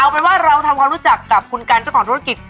เอาเป็นว่าเราทำความรู้จักกับคุณกันเจ้าของธุรกิจ